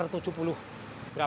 ya satu hari